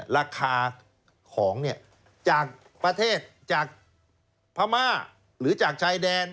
ราคาของจากประเทศจากพม่าหรือจากชายแดน